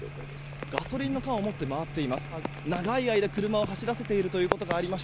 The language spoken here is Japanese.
ガソリンの缶を持って回っています。